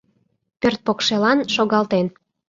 Пӧрт покшелан шогалтен